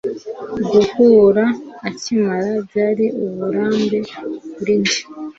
Guhura akimana byari uburambe kuri njye.